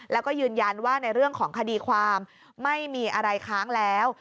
แล้วก็ยืนยันว่าในเรื่องของคดีความไม่มีอะไรค้างแล้ว